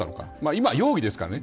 今、容疑ですからね。